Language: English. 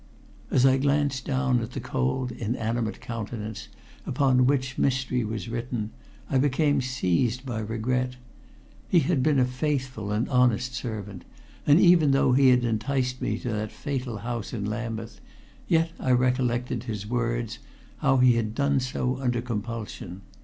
As I glanced down at the cold, inanimate countenance upon which mystery was written, I became seized by regret. He had been a faithful and honest servant, and even though he had enticed me to that fatal house in Lambeth, yet I recollected his words, how he had done so under compulsion.